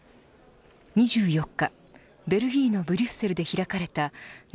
２４日ベルギーのブリュッセルで開かれたＮＡＴＯ